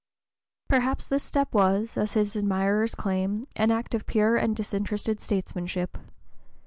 Perhaps this step was, as his admirers claim, an act of pure and disinterested statesmanship.